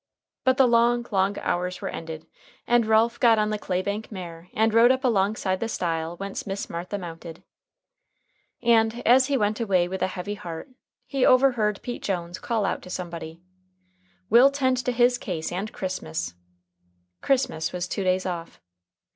But the long, long hours were ended and Ralph got on the clay bank mare and rode up alongside the stile whence Miss Martha mounted. And as he went away with a heavy heart, he overheard Pete Jones call out to somebody: "We'll tend to his case & Christmas." Christmas was two days off.